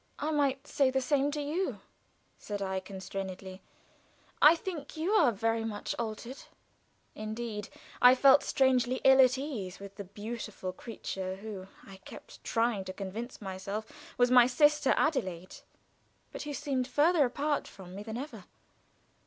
"I might say the same to you," said I, constrainedly. "I think you are very much altered." Indeed I felt strangely ill at ease with the beautiful creature who, I kept trying to convince myself, was my sister Adelaide, but who seemed further apart from me than ever.